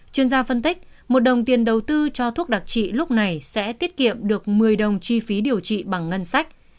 chuyên gia phân tích một đồng tiền đầu tư cho thuốc đặc trị lúc này sẽ tiết kiệm được một mươi đồng chi phí điều trị bằng ngân sách